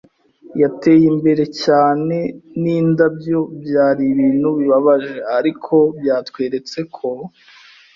yateye imbere cyane n'indabyo. Byari ibintu bibabaje, ariko byatweretse ko